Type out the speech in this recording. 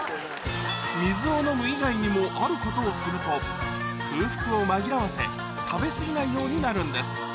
水を飲む以外にもあることをすると空腹を紛らわせ食べ過ぎないようになるんです